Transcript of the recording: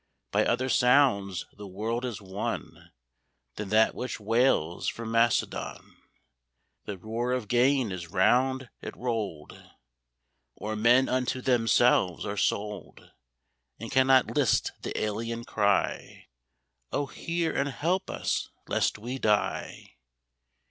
By other sounds the world is won Than that which wails from Macedon; The roar of gain is round it rolled, Or men unto themselves are sold, And cannot list the alien cry, "O hear and help us, lest we die!"